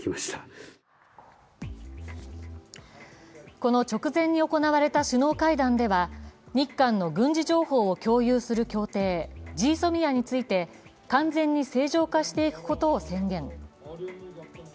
この直前に行われた首脳会談では、日韓の軍事情報を共有する協定、ＧＳＯＭＩＡについて、完全に正常化していくことを宣言。